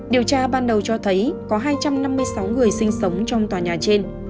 điều tra ban đầu cho thấy có hai trăm năm mươi sáu người sinh sống trong tòa nhà trên